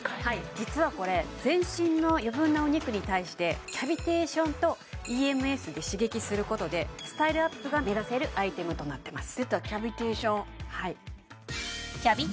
実はこれ全身の余分なお肉に対してキャビテーションとＥＭＳで刺激することでスタイルアップが目指せるアイテムとなってます